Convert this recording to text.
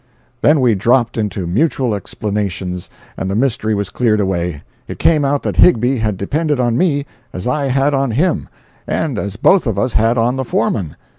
Then we dropped into mutual explanations, and the mystery was cleared away. It came out that Higbie had depended on me, as I had on him, and as both of us had on the foreman.